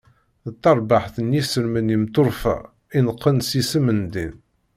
D tarbaɛt n yinselmen imeṭṭurfa, ineqqen s yisem n ddin.